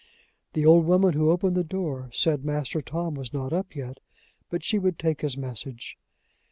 The old woman who opened the door said Master Tom was not up yet, but she would take his message.